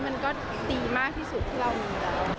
มันก็ดีมากที่สุดที่เรามี